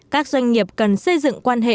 các doanh nghiệp cần xây dựng quan hệ